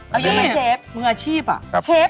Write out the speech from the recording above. เอาเยอะมั้ยเชฟ